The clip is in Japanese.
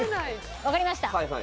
分かりました。